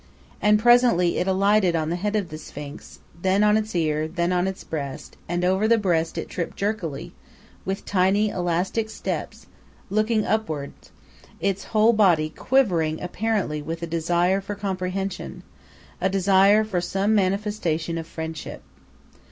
And presently it alighted on the head of the Sphinx, then on its ear, then on its breast; and over the breast it tripped jerkily, with tiny, elastic steps, looking upward, its whole body quivering apparently with a desire for comprehension a desire for some manifestation of friendship.